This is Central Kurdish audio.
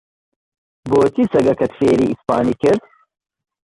بۆچی سەگەکەت فێری ئیسپانی کرد؟